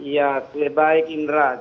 ya baik indra